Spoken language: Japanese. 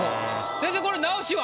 先生これ直しは？